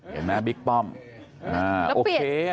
เห็นไหมบิ๊กป้อมโอเคนะ